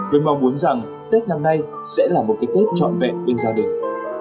tôi mong muốn rằng tết lần này sẽ là một cái tết trọn vẹn bên gia đình